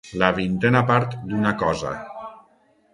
La vintena part d'una cosa.